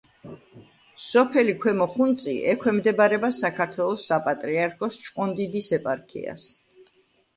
სოფელი ქვემო ხუნწი ექვემდებარება საქართველოს საპატრიარქოს ჭყონდიდის ეპარქიას.